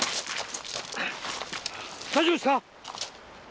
大丈夫ですか！